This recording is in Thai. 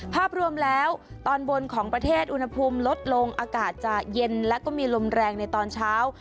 ภาพรวมแล้วตอนบนของประเทศอุณหภูมิลดลงอากาศจะเย็นและก็มีลมแรงในตอนเช้า